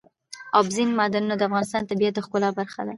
اوبزین معدنونه د افغانستان د طبیعت د ښکلا برخه ده.